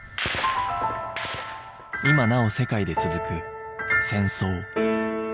今なお世界で続く戦争